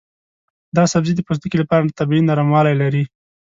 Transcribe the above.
دا سبزی د پوستکي لپاره طبیعي نرموالی لري.